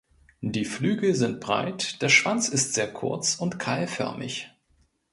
Die Flügel sind breit, der Schwanz ist sehr kurz und keilförmig.